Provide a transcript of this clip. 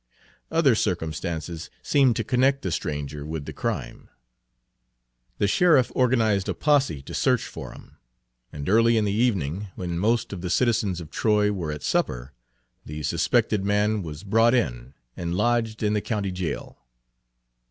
Other circumstances seemed to connect the stranger with the crime. The sheriff Page 64 organized a posse to search for him, and early in the evening, when most of the citizens of Troy were at supper, the suspected man was brought in and lodged in the county jail.